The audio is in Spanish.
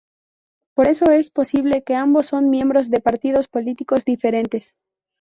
Por eso es posible que ambos son miembros de partidos políticos diferentes.